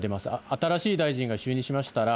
新しい大臣が就任しましたら、